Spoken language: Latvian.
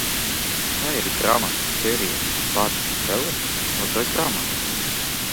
"Tā ir grāmatu sērijas "Bada spēles" otrā grāmata."